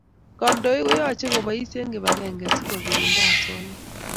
Kandoi koyache kobais en kibakeng si kokirinda asoya